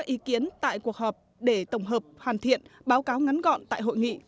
ý kiến tại cuộc họp để tổng hợp hoàn thiện báo cáo ngắn gọn tại hội nghị